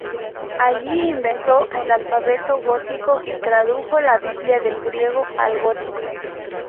Allí inventó el alfabeto gótico y tradujo la Biblia del griego al gótico.